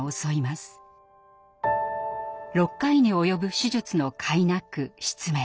６回に及ぶ手術のかいなく失明。